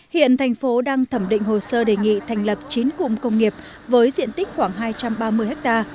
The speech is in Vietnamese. hiện thành phố đang thẩm định hồ sơ đề nghị thành lập chín cụm công nghiệp với diện tích khoảng hai trăm ba mươi ha